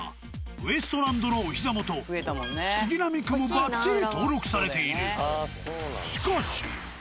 ウエストランドのお膝元杉並区もばっちり登録されている。